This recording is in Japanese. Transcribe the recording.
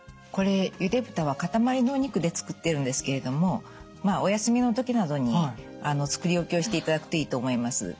これゆで豚は塊のお肉で作ってるんですけれどもまあお休みの時などに作り置きをしていただくといいと思います。